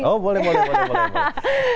oh boleh boleh